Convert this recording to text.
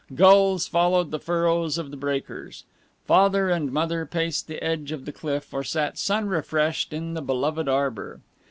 Gulls followed the furrows of the breakers. Father and Mother paced the edge of the cliff or sat sun refreshed in the beloved arbor.